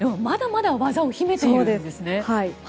まだまだ技を秘めているんですね。